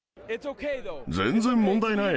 全然問題ない。